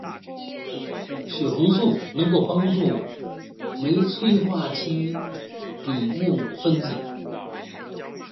血红素能够帮助酶催化其底物分子。